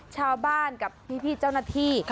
ชาวบ้านกับพี่เจ้าหน้าที่